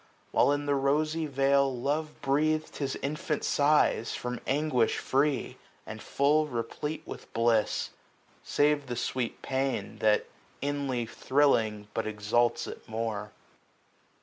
While in the rosy vale 250 Love breath'd his infant sighs^ from anguish free. And full replete with bliss ; save the sweet pain. That, inly thrilling, but exalts it more.